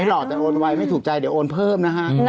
หล่อแต่โอนไวไม่ถูกใจเดี๋ยวโอนเพิ่มนะฮะ